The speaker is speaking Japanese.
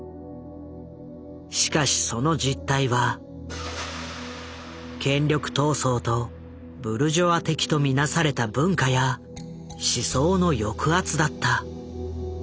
しかしその実態は権力闘争とブルジョア的と見なされた文化や思想の抑圧だった。